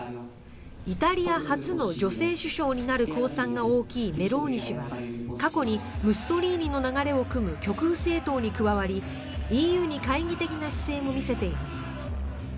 イタリア初の女性首相になる公算が大きいメローニ氏は過去にムッソリーニの流れをくむ極右政党に加わりＥＵに懐疑的な姿勢も見せています。